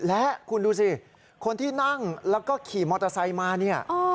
และคุณดูสิคนที่นั่งแล้วก็ขี่มอเตอร์ไซค์มาเนี่ย